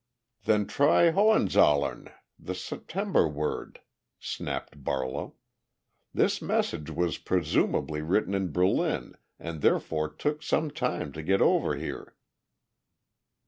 "Then try 'Hohenzollern,' the September word!" snapped Barlow. "This message was presumably written in Berlin and therefore took some time to get over here."